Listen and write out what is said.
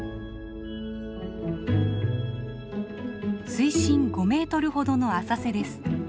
水深５メートルほどの浅瀬です。